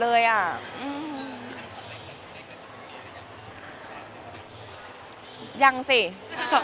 เนื้อหาดีกว่าน่ะเนื้อหาดีกว่าน่ะ